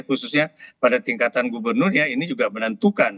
khususnya pada tingkatan gubernurnya ini juga menentukan